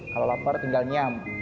kalau lapar tinggal nyam